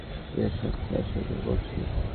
আমি তোমাদের জন্য এক মহা দিনের শাস্তির আশংকা করছি।